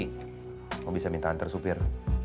kamu bisa minta antar supir